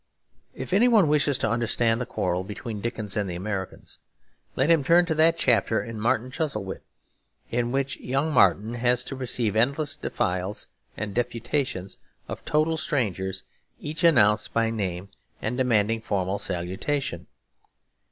If any one wishes to understand the quarrel between Dickens and the Americans, let him turn to that chapter in Martin Chuzzlewit, in which young Martin has to receive endless defiles and deputations of total strangers each announced by name and demanding formal salutation.